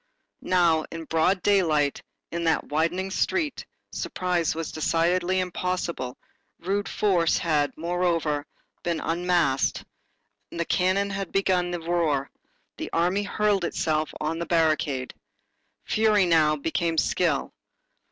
Now, in broad daylight, in that widening street, surprise was decidedly impossible, rude force had, moreover, been unmasked, the cannon had begun the roar, the army hurled itself on the barricade. Fury now became skill.